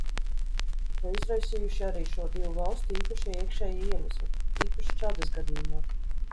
To izraisījuši arī šo divu valstu īpašie iekšējie iemesli, it īpaši Čadas gadījumā.